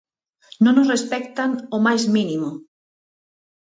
Non nos respectan o máis mínimo.